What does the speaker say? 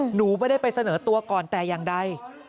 หนูไม่ได้ไปเสนอตัวก่อนแต่อย่างใด